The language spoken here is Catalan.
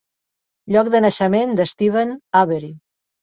Lloc de naixement de Steven Avery.